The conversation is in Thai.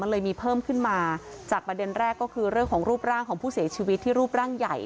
เลยมีเพิ่มขึ้นมาจากประเด็นแรกก็คือเรื่องของรูปร่างของผู้เสียชีวิตที่รูปร่างใหญ่